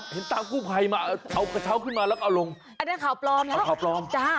เห็นตามครูไพ่มาเอากระเช้าขึ้นมาแล้วก็เอาลงโครงได้นะ